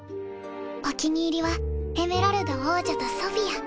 お気に入りは「エメラルド王女とソフィア」。